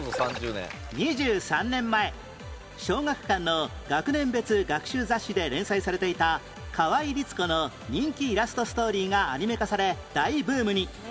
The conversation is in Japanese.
２３年前小学館の学年別学習雑誌で連載されていた河井リツ子の人気イラスト・ストーリーがアニメ化され大ブームに